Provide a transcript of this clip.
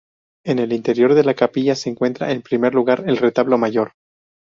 En el interior de la capilla, se encuentra en primer lugar el retablo mayor.